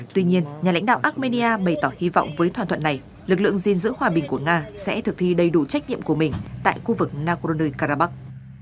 tuy nhiên nhà lãnh đạo armenia bày tỏ hy vọng với thỏa thuận này lực lượng gìn giữ hòa bình của nga sẽ thực thi đầy đủ trách nhiệm của mình tại khu vực nagorno karabakh